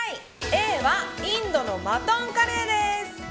Ａはインドのマトンカレーです。